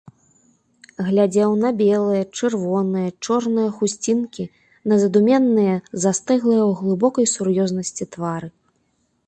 Глядзеў на белыя, чырвоныя, чорныя хусцінкі, на задуменныя, застыглыя ў глыбокай сур'ёзнасці твары.